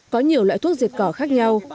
có nhiều loại thuốc dệt cỏ khác nhau